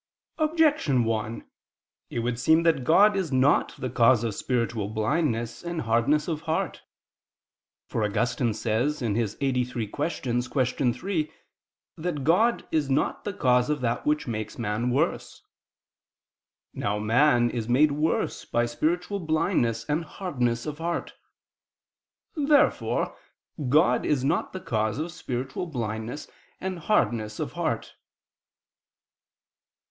Objection 1: It would seem that God is not the cause of spiritual blindness and hardness of heart. For Augustine says (Qq. lxxxiii, qu. 3) that God is not the cause of that which makes man worse. Now man is made worse by spiritual blindness and hardness of heart. Therefore God is not the cause of spiritual blindness and hardness of heart.